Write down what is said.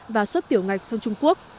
và xuất tiểu ngạch sang trung quốc